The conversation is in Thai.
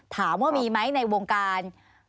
ถามว่ามีไหมในวงการ